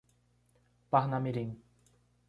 Parnamirim